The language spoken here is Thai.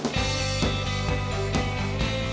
ค่าสุ่มตัวปลักทิ้ง